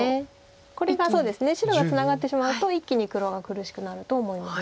これが白がツナがってしまうと一気に黒が苦しくなると思います。